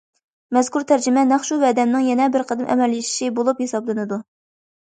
مەزكۇر تەرجىمە نەق شۇ ۋەدەمنىڭ يەنە بىر قېتىم ئەمەلىيلىشىشى بولۇپ ھېسابلىنىدۇ.